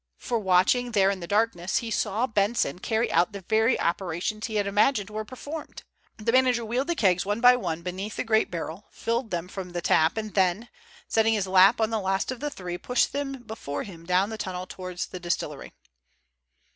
For, watching there in the darkness, he saw Benson carry out the very operations he had imagined were performed. The manager wheeled the kegs one by one beneath the great barrel, filled them from the tap, and then, setting his lamp on the last of the three, pushed them before him down the tunnel towards the distillery.